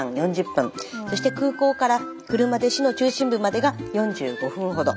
そして空港から車で市の中心部までが４５分ほど。